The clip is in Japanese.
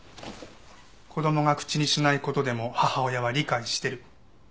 子供が口にしない事でも母親は理解してる。